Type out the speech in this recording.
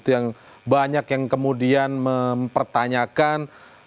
yang banyak yang kemudian mempertanyakan